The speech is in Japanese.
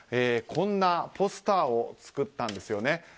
こんなポスターを作ったんですね。